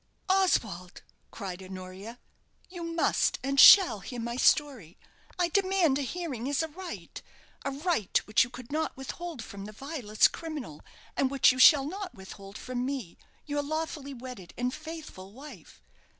"Oswald," cried Honoria, "you must and shall hear my story. I demand a hearing as a right a right which you could not withhold from the vilest criminal, and which you shall not withhold from me, your lawfully wedded and faithful wife.